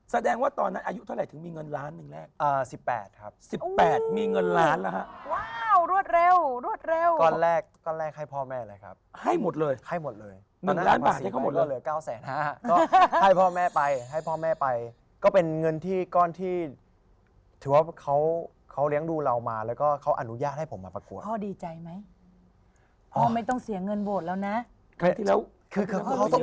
แสดงว่าตอนนั้นอายุเท่าไรมีเงินล้าน